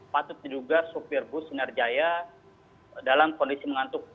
patut diduga supir bus sinarjaya dalam kondisi mengantuk